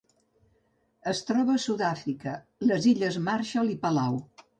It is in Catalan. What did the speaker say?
Es troba a Sud-àfrica, les Illes Marshall i Palau.